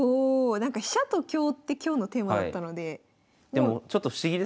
なんか飛車と香って今日のテーマだったので。